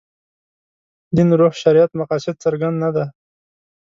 دین روح شریعت مقاصد څرګند نه دي.